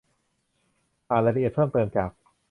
อ่านรายละเอียดเพิ่มเติมจาก